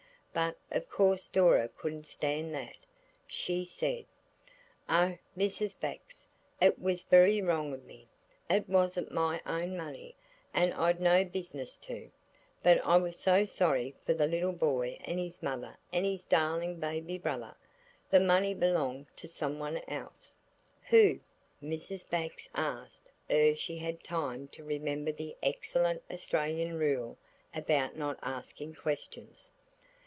But of course Dora couldn't stand that. She said– "Oh, Mrs. Bax, it was very wrong of me. It wasn't my own money, and I'd no business to, but I was so sorry for the little boy and his mother and his darling baby brother. The money belonged to some one else." "Who?" Mrs. Bax asked ere she had time to remember the excellent Australian rule about not asking questions.